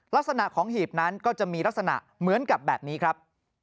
ลักษณะของหีบนั้นก็จะมีลักษณะเหมือนกับแบบนี้ครับ